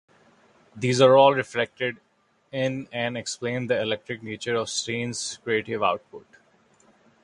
These are all reflected in and explain the eclectic nature of Stein's creative output.